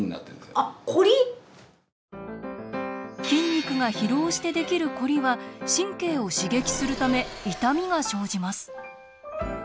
筋肉が疲労して出来るコリは神経を刺激するため痛みが生じます。